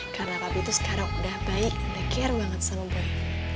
karena papi tuh sekarang udah baik leger banget sama boy